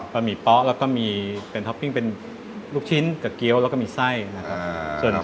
หมี่เป๊ะแล้วก็มีเป็นท็อปปิ้งเป็นลูกชิ้นกับเกี้ยวแล้วก็มีไส้นะครับ